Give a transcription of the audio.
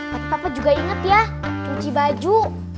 tapi papa juga inget ya cuci baju